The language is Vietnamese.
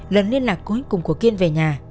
lần liên lạc cuối cùng của kiên về nhà